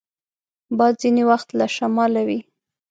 باد ځینې وخت له شماله وي